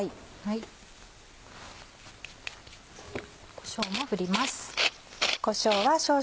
こしょうも振ります。